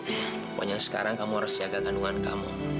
pokoknya sekarang kamu harus siaga kandungan kamu